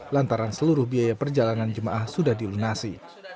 lantaran seluruh biaya perjalanan jemaah sudah dilunasi